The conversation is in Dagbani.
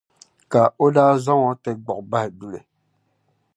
ka o daa zaŋ o ti gbuɣi bahi duli.